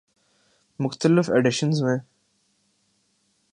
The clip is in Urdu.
مختلف آڈیشنزمیں